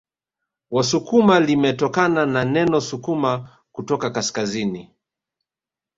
Wasukuma limetokana na neno sukuma kutoka kaskazini